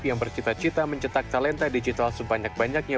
yang bercita cita mencetak talenta digital sebanyak banyaknya